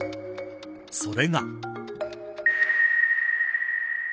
それが。